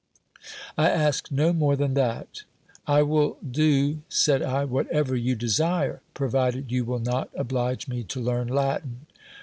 I ask no more than that. I will do, said I, whatever you desire, provided you will not oblige me to learn Latin.